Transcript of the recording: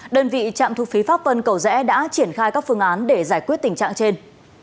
đơn vị trạm thu phí pháp vân cầu rẽ đã triển khai các phương án để giải quyết tình trạng trên